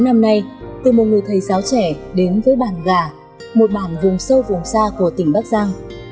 một mươi tám năm nay từ một người thầy giáo trẻ đến với bàn gà một bàn vùng sâu vùng xa của tỉnh bắc giang